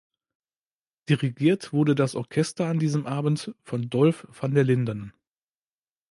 Dirigiert wurde das Orchester an diesem Abend von Dolf van der Linden.